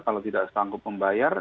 kalau tidak sanggup membayar